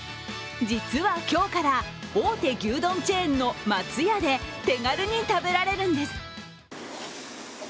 実は今日から大手牛丼チェーンの松屋で手軽に食べられるんです。